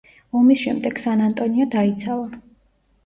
ომის შემდეგ სან-ანტონიო დაიცალა.